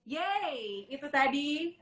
yeay itu tadi